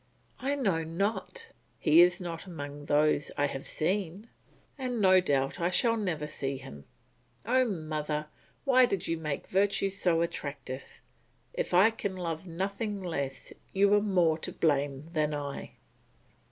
I know not; he is not among those I have seen; and no doubt I shall never see him. Oh! mother, why did you make virtue too attractive? If I can love nothing less, you are more to blame than I."